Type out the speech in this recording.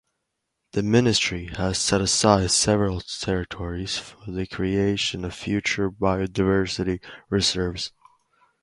The ministry has set aside several territories for the creation of future biodiversity reserves.